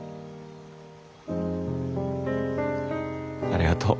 ありがとう。